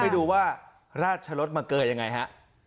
ดูว่าราชรสมาเกยยังไงฮะ